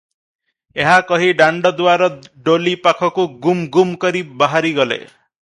ଏହା କହି ଦାଣ୍ତ ଦୁଆର ଡୋଲି ପାଖକୁ ଗୁମ୍ ଗୁମ୍ କରି ବାହାରିଗଲେ ।